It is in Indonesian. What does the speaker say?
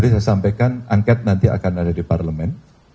saya sampaikan angket nanti akan ada di parlemen